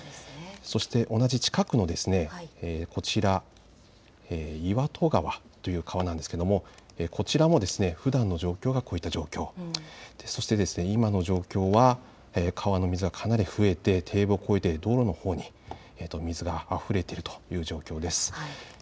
そして同じ近くのこちら、岩戸川という川なんですが、こちらもふだんの状況がこういった状況、そして今の状況は川の水がかなり増えて堤防を越えて道路のほうに水があふれているという状況です。